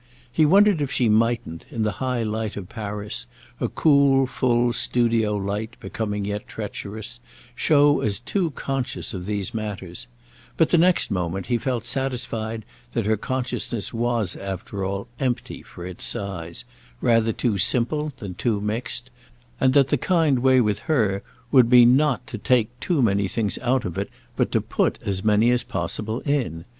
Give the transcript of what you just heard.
He wondered if she mightn't, in the high light of Paris, a cool full studio light, becoming yet treacherous, show as too conscious of these matters; but the next moment he felt satisfied that her consciousness was after all empty for its size, rather too simple than too mixed, and that the kind way with her would be not to take many things out of it, but to put as many as possible in.